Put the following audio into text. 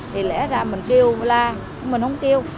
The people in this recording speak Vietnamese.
thì lẽ ra mình kêu la mình không kêu